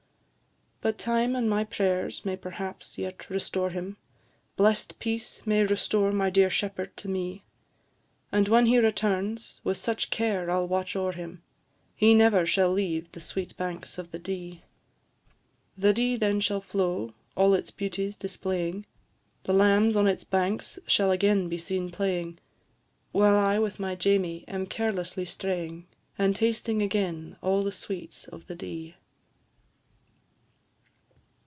But time and my prayers may perhaps yet restore him, Blest peace may restore my dear shepherd to me; And when he returns, with such care I 'll watch o'er him, He never shall leave the sweet banks of the Dee. The Dee then shall flow, all its beauties displaying, The lambs on its banks shall again be seen playing, While I with my Jamie am carelessly straying, And tasting again all the sweets of the Dee.